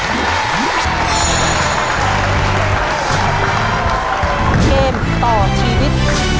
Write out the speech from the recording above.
เกมต่อชีวิต